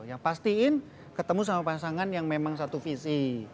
ya pastiin ketemu sama pasangan yang memang satu visi